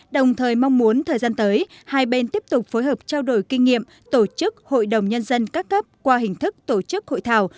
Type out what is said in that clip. đồng thời mong muốn thời gian tới hai bên tiếp tục phối hợp trao đổi kinh nghiệm tổ chức hội đồng nhân dân các cấp qua hình thức tổ chức hội thảo